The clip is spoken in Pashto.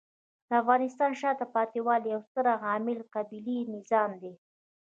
د افغانستان د شاته پاتې والي یو ستر عامل قبیلې نظام دی.